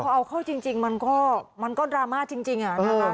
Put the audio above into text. เอาเข้าจริงมันก็ดราม่าจริงอะนะคะ